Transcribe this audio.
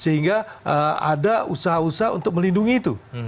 sehingga ada usaha usaha untuk melindungi itu